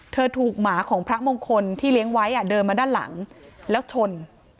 ถูกหมาของพระมงคลที่เลี้ยงไว้เดินมาด้านหลังแล้วชน